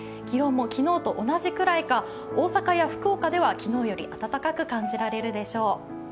気温も昨日と同じくらいか、大阪や福岡では昨日より暖かく感じられるでしょう。